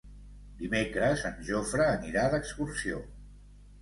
Dimecres en Jofre anirà d'excursió.